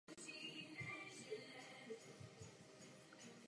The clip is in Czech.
Toto je rozprava o mikrofinancování, a nikoli o programu Progress.